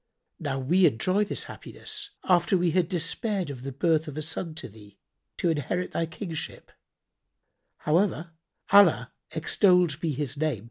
Now we enjoy this happiness, after we had despaired of the birth of a son to thee, to inherit thy kingship; however, Allah (extolled be His name!)